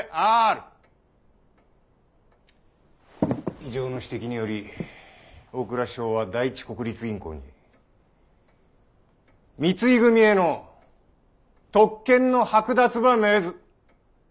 以上の指摘により大蔵省は第一国立銀行に三井組への特権の剥奪ば命ず。